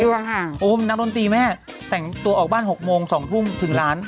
วันนี้เจ๊จะปิดรายการสวัสดีครับ